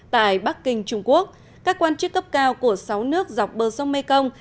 tại bắc kinh trung quốc các quan chức cấp cao của sáu nước dọc bờ sông mê công